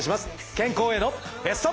健康へのベスト。